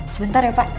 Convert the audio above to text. sebentar ya pak